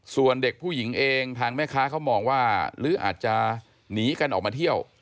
ส่วนเด็กผู้หญิงเองทางแม่ค้าเขามองว่าหรืออาจจะหนีกันออกมาเที่ยว